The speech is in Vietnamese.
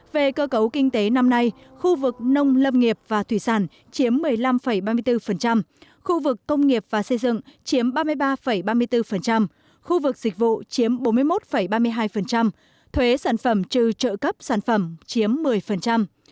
về cơ cấu kinh tế năm nay khu vực nông lâm nghiệp và thủy sản chiếm một mươi năm ba mươi bốn khu vực công nghiệp và xây dựng chiếm ba mươi ba ba mươi bốn khu vực dịch vụ chiếm bốn mươi một ba mươi hai thuế sản phẩm trừ trợ cấp sản phẩm chiếm một mươi